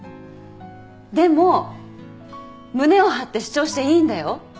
でも胸を張って主張していいんだよ。